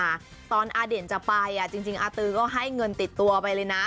เวลาที่ผ่านมาตอนอาเดนจะไปจริงอาตือก็ให้เงินติดตัวไปเลยนะ